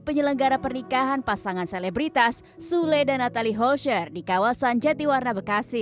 penyelenggara pernikahan pasangan selebritas sule dan natali holscher di kawasan jatiwarna bekasi